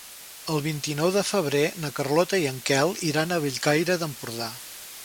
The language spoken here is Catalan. El vint-i-nou de febrer na Carlota i en Quel iran a Bellcaire d'Empordà.